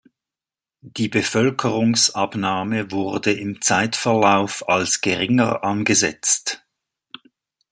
Die Bevölkerungsabnahme wurde im Zeitverlauf als geringer angesetzt.